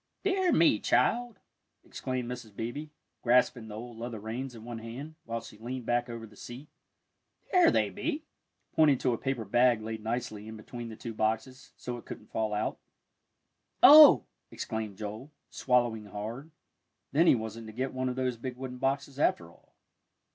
"Dear me, child," exclaimed Mrs. Beebe, grasping the old leather reins in one hand, while she leaned back over the seat, "there they be," pointing to a paper bag laid nicely in between the two boxes, so it couldn't fall out. "Oh!" exclaimed Joel, swallowing hard. Then he wasn't to get one of those big wooden boxes, after all.